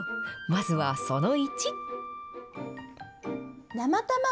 まずはその１。